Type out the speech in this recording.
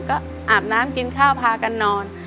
ก็อาบน้ำกินข้าวพากันนอน